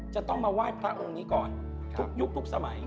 จะต้องมาไหว้พระองค์นี้ก่อนทุกยุคทุกสมัย